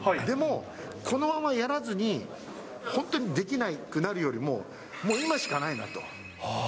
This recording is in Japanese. でもこのままやらずに、本当にできなくなるよりも、もう今しかないなと。